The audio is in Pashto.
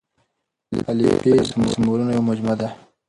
الفبې د سمبولونو يوه مجموعه ده.